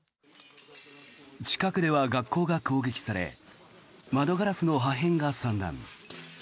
近くでは学校が攻撃され窓ガラスの破片が散乱。